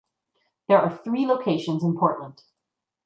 There are three locations in Portland.